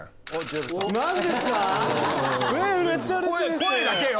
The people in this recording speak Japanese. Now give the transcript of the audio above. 声だけよ